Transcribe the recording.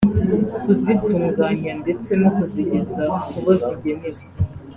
kuzitunganya ndetse no kuzigeza ku bo zigenewe